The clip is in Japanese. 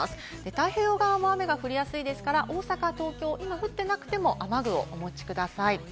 太平洋側も雨が降りやすいですから大阪、東京、今、降っていなくても雨具をお持ちください。